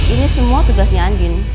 ini semua tugasnya andien